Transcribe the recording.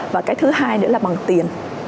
và cái thứ hai nữa là bằng tiền